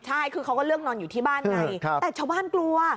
ใช่คือเขาก็เลือกนอนอยู่ที่บ้านไงแต่ชาวบ้านกลัว